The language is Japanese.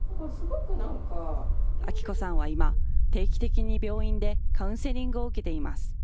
明子さんは今、定期的に病院でカウンセリングを受けています。